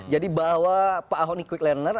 jadi bahwa pak aho ini quick learner